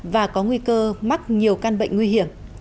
và có nguy cơ mắc nhiều căn bệnh nguy hiểm